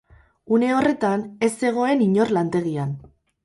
Une horretan, ez zegoen inor lantegian.